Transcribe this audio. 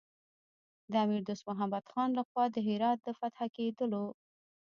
د امیر دوست محمد خان له خوا د هرات د فتح کېدلو.